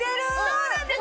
そうなんです！